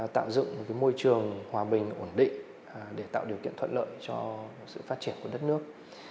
tạo dựng một môi trường hòa bình ổn định để tạo điều kiện thuận lợi cho sự phát triển của đất nước